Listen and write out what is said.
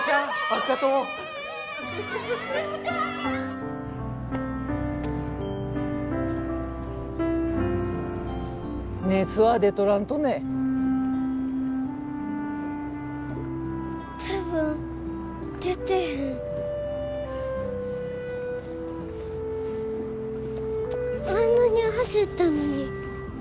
あんなに走ったのに。